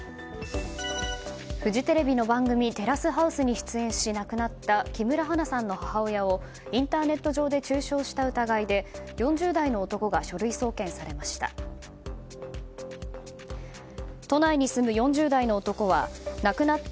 フジテレビの番組「テラスハウス」に出演し亡くなった木村花さんの母親をインターネット上で中傷した疑いで４０代の男が書類送検されました。